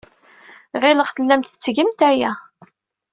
Ɣileɣ tellamt tettgemt aya.